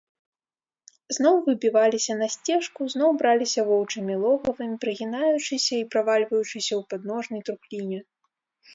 Зноў выбіваліся на сцежку, зноў браліся воўчымі логавамі, прыгінаючыся і правальваючыся ў падножнай трухліне.